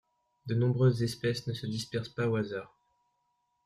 De nombreuses espèces ne se dispersent pas au hasard.